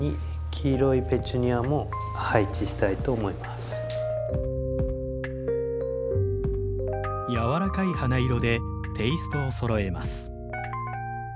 最初はやわらかい花色でテイストをそろえます。